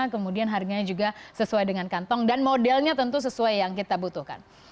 kemudian harganya juga sesuai dengan kantong dan modelnya tentu sesuai yang kita butuhkan